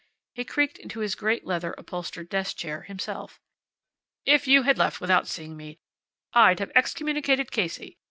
He creaked into his great leather upholstered desk chair, himself. "If you had left without seeing me I'd have excommunicated Casey.